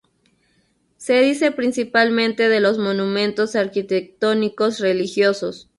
Se dice principalmente de los monumentos arquitectónicos religiosos.